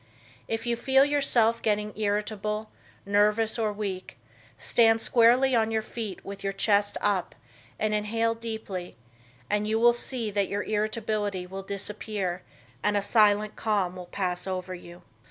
If you feel yourself getting irritable, nervous or weak, stand squarely on your feet with your chest up and inhale deeply and you will see that your irritability will disappear and a silent calm will pass over you.